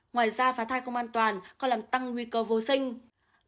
ngoài ra phá thai không an toàn còn làm tăng nguy cơ vô sinh